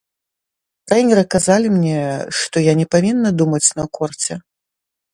Трэнеры казалі мне, што я не павінна думаць на корце.